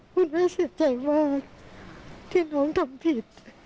คุณแม่เสียใจมากที่น้องทำผิด